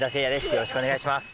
よろしくお願いします。